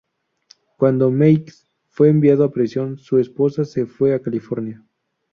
Cuando Meiggs fue enviado a prisión, su esposa se fue a California.